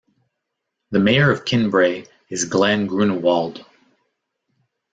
The mayor of Kinbrae is Glen Grunewald.